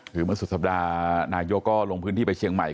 คือเมื่อสุดสัปดาห์นายกก็ลงพื้นที่ไปเชียงใหม่